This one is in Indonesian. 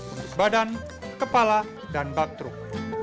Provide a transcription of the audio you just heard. untuk badan kepala dan bak truk